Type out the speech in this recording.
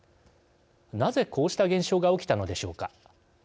なぜ、こうした現象が起きたのでしょうか。